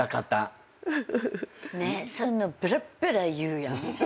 そういうのベラッベラ言うやん？